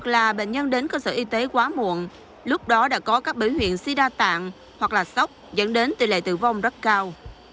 là bệnh nhân đến cơ sở y tế quá muộn lúc đó đã có các biểu hiện suy đa tạng hoặc là sốc dẫn đến tỷ lệ tử vong rất cao